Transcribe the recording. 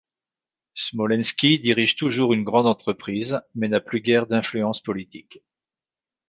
Smolenski dirige toujours une grande entreprise, mais n'a plus guère d'influence politique.